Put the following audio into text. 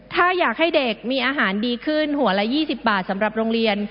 ถ้าอยากให้เด็กมีอาหารดีขึ้นหัวละ๒๐บาทสำหรับโรงเรียน